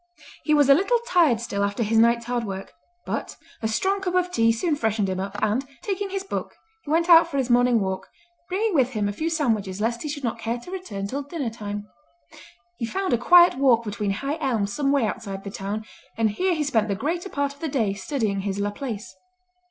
He was a little tired still after his night's hard work, but a strong cup of tea soon freshened him up and, taking his book, he went out for his morning walk, bringing with him a few sandwiches lest he should not care to return till dinner time. He found a quiet walk between high elms some way outside the town, and here he spent the greater part of the day studying his Laplace.